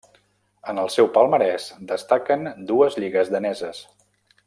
En el seu palmarès destaquen dues lligues daneses.